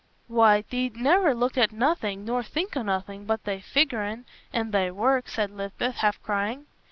"Why, thee't never look at nothin', nor think o' nothin', but thy figurin, an' thy work," said Lisbeth, half crying.